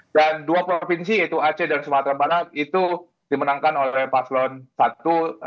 dan dua provinsi yaitu aceh dan sumatera barat itu dimenangkan oleh pak sloan i